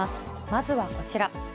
まずはこちら。